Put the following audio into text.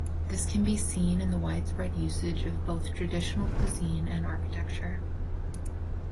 This can be seen in the widespread usage of both traditional cuisine and architecture.